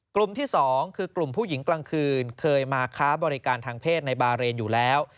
กลุ่มที่๒คือกลุ่มผู้หญิงกลางคืนเคยมาค้าบริการทางเพศในบาเรนอยู่แล้ว